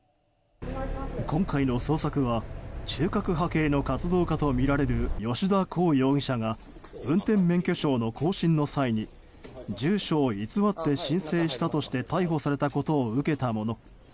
今回の捜索は中核派系の活動家とみられる吉田耕容疑者が運転免許証の更新の際に住所を偽って申請したとして逮捕されたことを受けたもの。